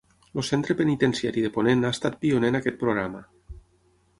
El centre penitenciari de Ponent ha estat pioner en aquest programa.